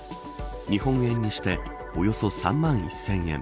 日本円にしておよそ３万１０００円。